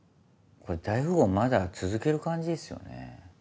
これ大富豪まだ続ける感じっすよね？